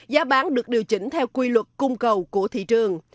giá bán được điều chỉnh theo quy luật cung cầu của thị trường